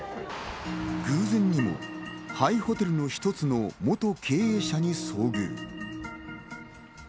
偶然にも廃ホテルの一つの元経営者に遭遇。